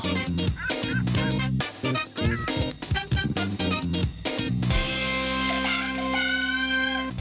ดังดัง